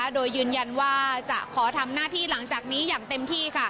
โดยยืนยันว่าจะขอทำหน้าที่หลังจากนี้อย่างเต็มที่